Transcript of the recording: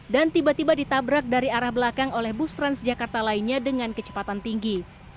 dan tiba tiba ditabrak dari arah belakang oleh bus transjakarta lainnya dengan kecepatan tinggi